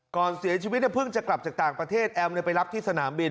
ก่อนเสียชีวิตเพิ่งจะกลับจากต่างประเทศแอมไปรับที่สนามบิน